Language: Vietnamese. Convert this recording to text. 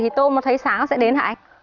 thì tôm nó thấy sáng nó sẽ đến hả anh